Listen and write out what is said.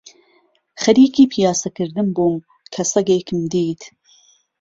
خەریکی پیاسە کردن بووم کە سەگێکم دیت